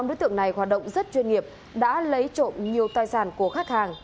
năm đối tượng này hoạt động rất chuyên nghiệp đã lấy trộm nhiều tài sản của khách hàng